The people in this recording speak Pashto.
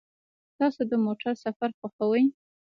تاسو د موټر سفر خوښوئ؟